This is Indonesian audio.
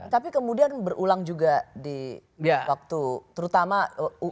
tapi kemudian berulang juga di waktu terutama